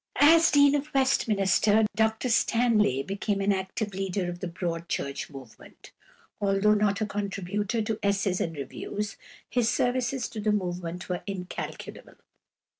As Dean of Westminster Dr Stanley became an active leader of the Broad Church movement. Although not a contributor to "Essays and Reviews" his services to the movement were incalculable.